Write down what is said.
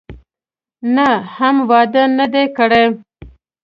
نه، هم واده نه دی کړی.